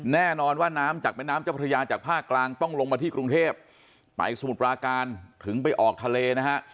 แน่นอนว่าน้ำจากแม่น้ำเจ้าพระยาจากภาคกลางต้องลงมาที่กรุงเทพไปสมุทรปราการถึงไปออกทะเลนะฮะ